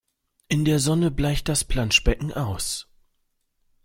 In der Sonne bleicht das Planschbecken aus.